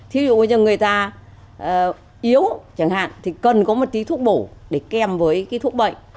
thí dụ bây giờ người ta yếu chẳng hạn thì cần có một tí thuốc bổ để kèm với cái thuốc bệnh